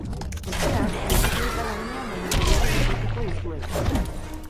Etxean bicicleta gainean baino gehiago sufrituko duzuelako.